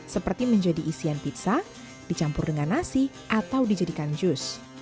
seperti menjadi isian pizza dicampur dengan nasi atau dijadikan jus